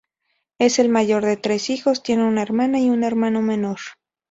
Es el mayor de tres hijos; tiene una hermana y un hermano menor.